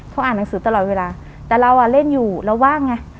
เขาอ่านหนังสือตลอดเวลาแต่เราอ่ะเล่นอยู่เราว่างไง